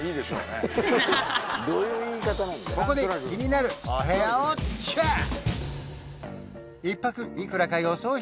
ここで気になるお部屋をチェック！